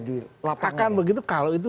di lapangan akan begitu kalau itu